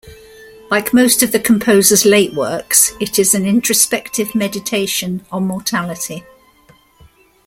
Like most of the composer's late works, it is an introspective meditation on mortality.